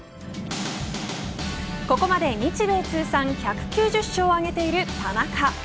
ここまで日米通算１９０勝を挙げている田中。